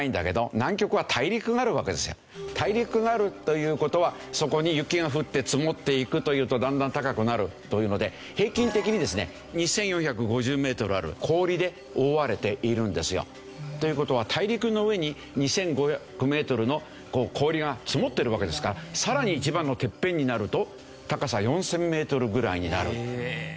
大陸があるという事はそこに雪が降って積もっていくというとだんだん高くなるというので平均的にですね２４５０メートルある氷で覆われているんですよ。という事は大陸の上に２５００メートルの氷が積もってるわけですからさらに一番のてっぺんになると高さ４０００メートルぐらいになる。